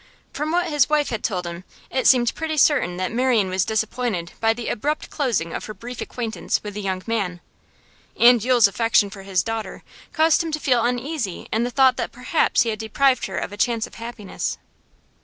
From what his wife had told him it seemed pretty certain that Marian was disappointed by the abrupt closing of her brief acquaintance with the young man, and Yule's affection for his daughter caused him to feel uneasy in the thought that perhaps he had deprived her of a chance of happiness.